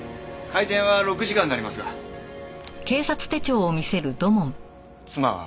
開店は６時からになりますが。